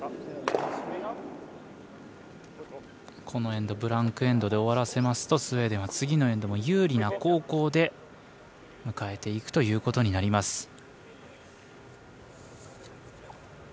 このエンドブランクエンドで終わらせますとスウェーデンは次のエンドも有利な後攻で迎えていくということになります。